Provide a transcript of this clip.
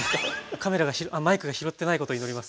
カメラがマイクが拾ってないことを祈ります。